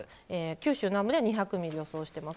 九州南部で２００ミリ予想しています。